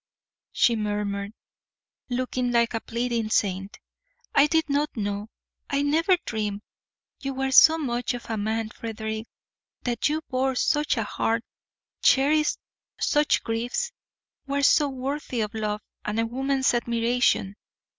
she murmured, looking like a pleading saint. "I did not know I never dreamed you were so much of a man, Frederick: that you bore such a heart, cherished such griefs, were so worthy of love and a woman's admiration.